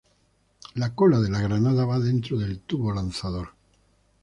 La cola de la granada va dentro del tubo lanzador.